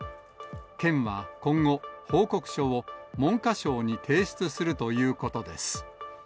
県は今後、報告書を文科省に提出するということです。